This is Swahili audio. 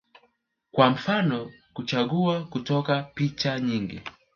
kwa mfano kuchagua kutoka picha nyingi